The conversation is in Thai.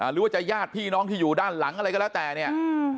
หรือว่าจะญาติพี่น้องที่อยู่ด้านหลังอะไรก็แล้วแต่เนี่ย